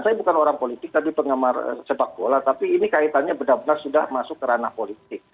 saya bukan orang politik tapi penggemar sepak bola tapi ini kaitannya benar benar sudah masuk ke ranah politik